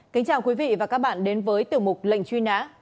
kính chào quý vị và các bạn đến với tiểu mục lệnh truy nã